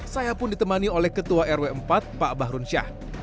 saya pun ditemani oleh ketua rw empat pak bahrun syah